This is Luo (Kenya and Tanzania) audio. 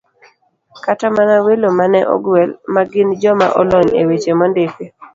Kata mana welo ma ne ogwel, ma gin joma olony e weche mondiki